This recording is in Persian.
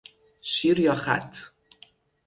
شیر یا خط؟